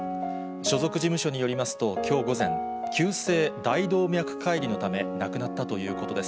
所属事務所によりますと、きょう午前、急性大動脈解離のため、亡くなったということです。